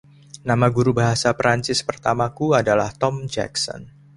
Nama guru bahasa Prancis pertamaku adalah Tom Jackson.